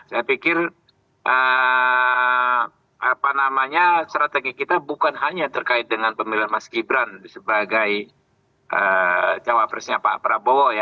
saya pikir strategi kita bukan hanya terkait dengan pemilihan mas gibran sebagai cawapresnya pak prabowo ya